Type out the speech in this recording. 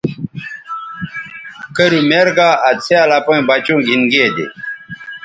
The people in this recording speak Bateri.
کرُو میر گا آ څھیال اپئیں بچوں گھِن گے دے۔